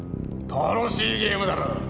楽しいゲームだろ。